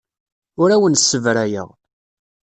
Ur awen-ssebrayeɣ.